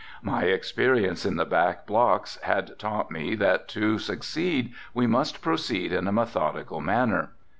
My experience in the back blocks had taught me that to succeed we must proceed in a methodical manner.